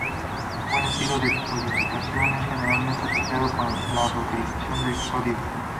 Buen estilo de codificación es generalmente asociado con la reutilización de código.